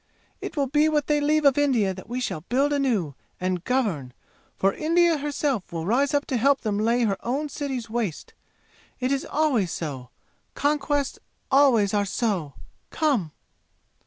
It will be what they leave of India that we shall build anew and govern, for India herself will rise to help them lay her own cities waste! It is always so! Conquests always are so! Come!"